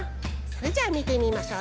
それじゃあみてみましょう。